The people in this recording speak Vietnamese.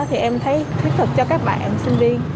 thì em thấy thiết thực cho các bạn sinh viên